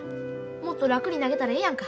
もっと楽に投げたらええやんか。